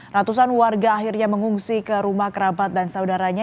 ratusan warga akhirnya mengungsi ke rumah kerabat dan saudaranya